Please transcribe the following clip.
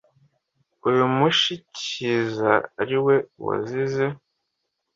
Uyu Mushi kizi ari we wizize